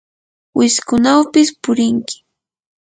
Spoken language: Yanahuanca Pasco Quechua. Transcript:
wiskunawpis purinki.